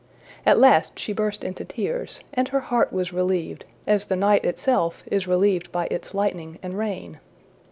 At last she burst into tears, and her heart was relieved, as the night itself is relieved by its lightning and rain.